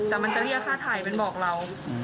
แต่มันจะเรียกค่าถ่ายเป็นบอกเรา